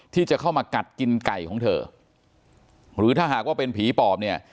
ที่จะเข้ามากัดกินไก่ของเธอหรือถ้าหากว่าเป็นผีปอบเนี่ย